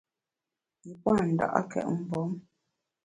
Yi pua’ nda’két mgbom.